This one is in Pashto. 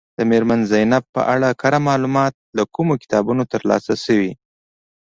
د میرمن زینب په اړه کره معلومات له کومو کتابونو ترلاسه شوي.